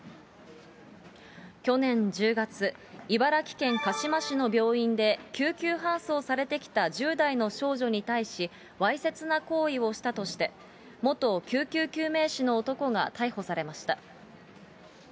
去年１０月、茨城県鹿嶋市の病院で、救急搬送されてきた１０代の少女に対し、わいせつな行為をしたとして、元救急救命士の男が逮捕されました。